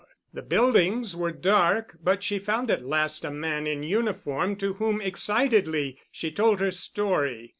The buildings were dark but she found at last a man in uniform to whom excitedly she told her story.